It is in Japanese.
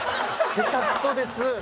下手くそです。